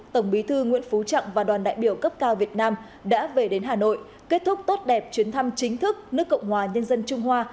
tổng bí thư nguyễn phú trọng và đoàn đại biểu cấp cao việt nam đã về đến hà nội kết thúc tốt đẹp chuyến thăm chính thức nước cộng hòa nhân dân trung hoa